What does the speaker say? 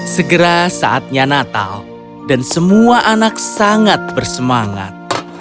segera saatnya natal dan semua anak sangat bersemangat